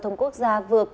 đề nghị sự nguyên tài xế